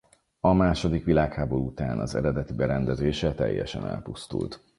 A második világháború után az eredeti berendezése teljesen elpusztult.